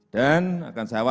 dan akan saya waspada